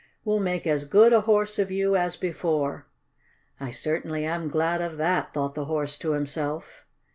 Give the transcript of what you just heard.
"We'll make as good a Horse of you as before." "I certainly am glad of that," thought the Horse to himself.